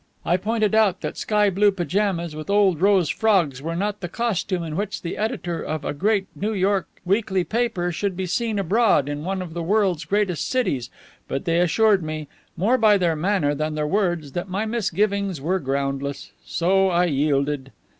I pointed out that sky blue pajamas with old rose frogs were not the costume in which the editor of a great New York weekly paper should be seen abroad in one of the world's greatest cities, but they assured me more by their manner than their words that my misgivings were groundless, so I yielded.